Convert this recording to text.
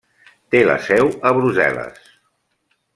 Té la seu a Brussel·les.